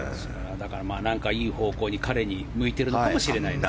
だから、いい方向に彼に向いているのかもしれないなと。